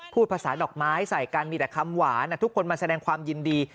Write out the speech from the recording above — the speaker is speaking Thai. พูดภาษาดอกไม้ใส่กันมีแต่คำหวานทุกคนมาแสดงความยินดี